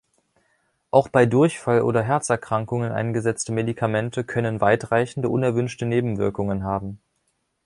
Auch bei Durchfall oder Herzerkrankungen eingesetzte Medikamente können weitreichende unerwünschte Nebenwirkungen haben.